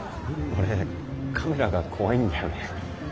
俺カメラが怖いんだよね。